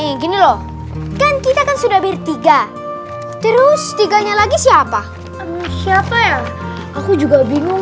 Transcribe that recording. nih gini loh kan kita kan sudah bertiga terus tiganya lagi siapa siapa ya aku juga bingung